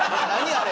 あれ。